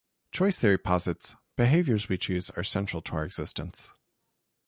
Choice theory posits behaviours we choose are central to our existence.